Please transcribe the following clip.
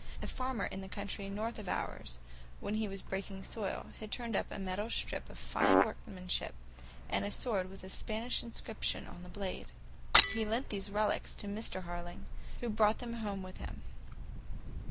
A farmer in the county north of ours, when he was breaking sod, had turned up a metal stirrup of fine workmanship, and a sword with a Spanish inscription on the blade. He lent these relics to Mr. Harling, who brought them home with him.